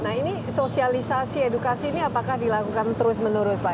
nah ini sosialisasi edukasi ini apakah dilakukan terus menerus pak